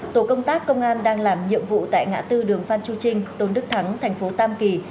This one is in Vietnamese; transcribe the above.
tổ công tác công an đang làm nhiệm vụ tại ngã tư đường phan chu trinh tôn đức thắng thành phố tam kỳ